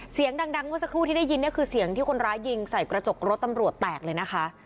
เสียงดังเมื่อสักครู่ที่ได้ยินเนี่ยคือเสียงที่คนร้ายยิงใส่กระจกรถตำรวจแตกเลยนะคะ